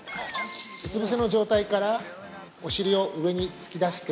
うつ伏せの状態でからお尻を上に突き出して